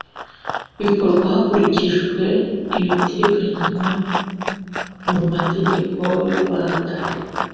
bikorwa hakurikijwe ibiteganywa mu mategeko y urwanda